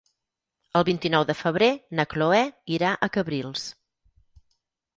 El vint-i-nou de febrer na Cloè irà a Cabrils.